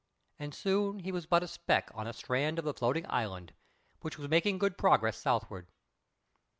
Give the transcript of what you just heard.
And soon he was but a speck on the strand of the floating island, which was making good progress southward.